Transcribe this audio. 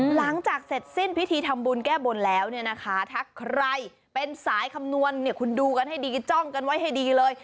หลังจากเสร็จสิ้นพิธีทำบุญแก้บนแล้วเนี่ยนะคะถ้าใครเป็นสายคำนวณเนี่ยคุณดูกันให้ดีจ้องกันไว้ให้ดีเลย